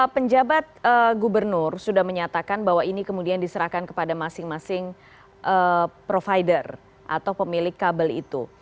penjabat gubernur sudah menyatakan bahwa ini kemudian diserahkan kepada masing masing provider atau pemilik kabel itu